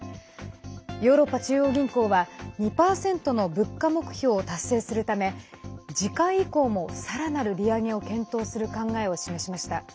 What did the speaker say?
ヨーロッパ中央銀行は２％の物価目標を達成するため次回以降もさらなる利上げを検討する考えを示しました。